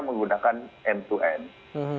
menggunakan end to end